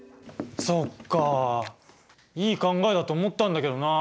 そっかいい考えだと思ったんだけどな。